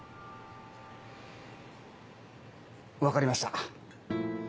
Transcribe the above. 分かりました。